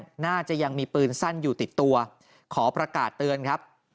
น่าจะยังมีปืนสั้นอยู่ติดตัวขอประกาศเตือนครับ